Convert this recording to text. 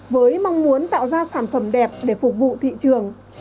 với mong muốn tạo ra sản phẩm đẹp để phục vụ thị trường